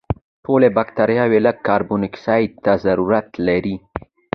ټولې بکټریاوې لږ کاربن دای اکسایډ ته ضرورت لري.